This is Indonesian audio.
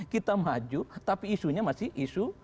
kita maju tapi isunya masih isu